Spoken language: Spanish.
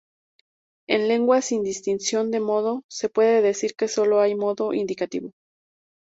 En lenguas sin distinción de modo, se puede decir que solo hay modo indicativo.